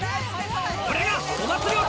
これがお祭り男